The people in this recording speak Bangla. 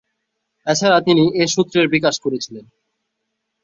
তাছাড়া তিনি এ সূত্রের বিকাশ করেছিলেন।